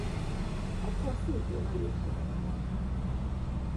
Ekkor szintén a jégkorongtornán.